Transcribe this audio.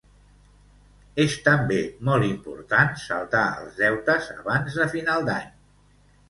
És també molt important saldar els deutes abans de final d'any.